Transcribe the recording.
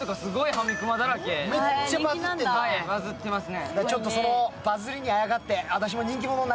バズってますね。